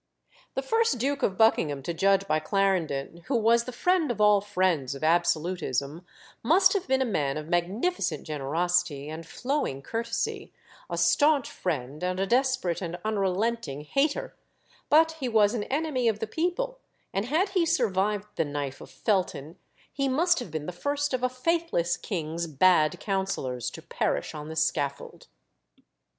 The first Duke of Buckingham, to judge by Clarendon, who was the friend of all friends of absolutism, must have been a man of magnificent generosity and "flowing courtesy," a staunch friend, and a desperate and unrelenting hater; but he was an enemy of the people; and had he survived the knife of Felton he must have been the first of a faithless king's bad counsellors to perish on the scaffold.